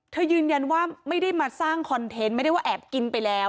ยืนยันว่าไม่ได้มาสร้างคอนเทนต์ไม่ได้ว่าแอบกินไปแล้ว